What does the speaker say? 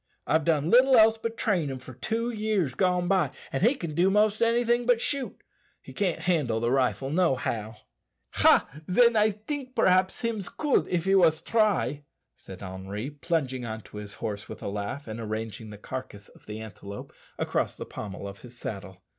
I've done little else but train him for two years gone by, and he can do most anything but shoot he can't handle the rifle nohow." "Ha! then, I tink perhaps hims could if he wos try," said Henri, plunging on to his horse with a laugh, and arranging the carcass of the antelope across the pommel of his saddle.